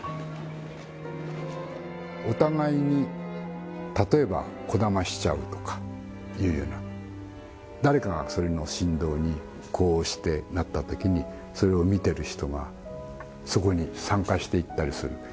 お互いに例えばこだましちゃうとかいうような誰かがその振動に呼応してなったときにそれを観てる人がそこに参加していったりする。